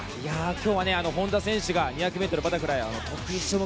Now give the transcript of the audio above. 今日は本多選手が２００ｍバタフライ得意種目。